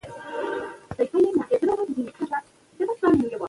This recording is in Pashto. د شاعر د شعر پیغام او انګیزه